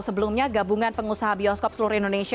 sebelumnya gabungan pengusaha bioskop seluruh indonesia